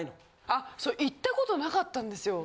あ行ったことなかったんですよ